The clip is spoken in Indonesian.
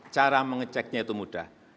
cara mengeceknya itu mudah